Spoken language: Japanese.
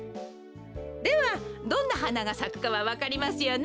ではどんなはながさくかはわかりますよね？